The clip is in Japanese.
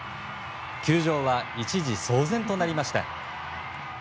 球場は一時騒然となりました。